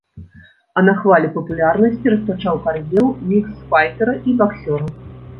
А на хвалі папулярнасці распачаў кар'еру міксфайтэра і баксёра.